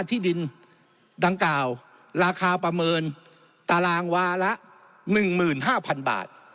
ที่ดินดังกล่าวราคาประเมินตารางวาละ๑๕๐๐๐บาท